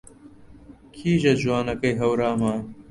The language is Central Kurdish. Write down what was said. کیژە جوانەکەی هەورامان